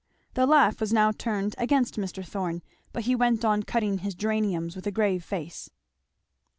The laugh was now turned against Mr. Thorn, but he went on cutting his geraniums with a grave face.